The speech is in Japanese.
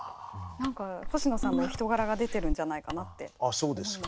何か星野さんのお人柄が出てるんじゃないかなって思います。